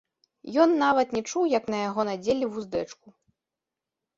Ён нават не чуў, як на яго надзелі вуздэчку.